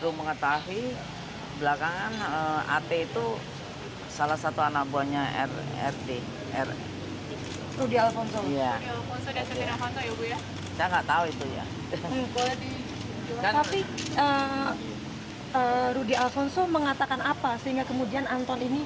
tapi rudy alfonso mengatakan apa sehingga kemudian anton ini